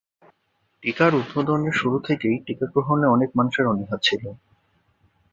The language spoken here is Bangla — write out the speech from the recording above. টিকার উদ্ভাবনের শুরু থেকেই টিকা গ্রহণে অনেক মানুষের অনীহা ছিল।